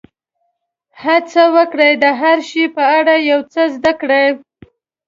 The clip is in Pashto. هڅه وکړئ د هر شي په اړه یو څه زده کړئ.